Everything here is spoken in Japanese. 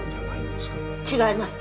違います。